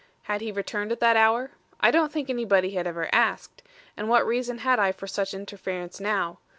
Had he returned at that hour? I don't think anybody had ever asked; and what reason had I for such interference now?